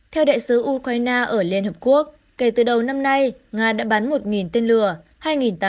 theo đại sứ ukraine ở liên hợp quốc kể từ đầu năm nay nga đã bắn một tên lửa